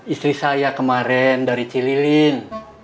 istri saya kemarin dari cililin